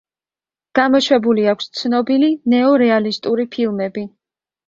გამოშვებული აქვს ცნობილი ნეორეალისტური ფილმები,